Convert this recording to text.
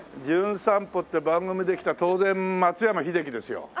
『じゅん散歩』って番組で来た当然松山英樹ですよ。